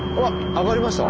上がりました！